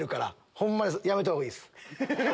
ホンマにやめたほうがいいです。